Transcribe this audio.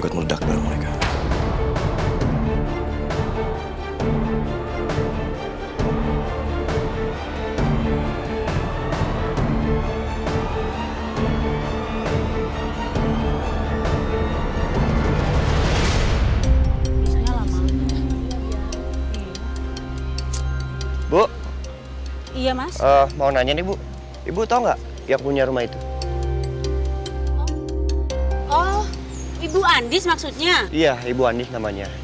ke jalan taman bundaran ya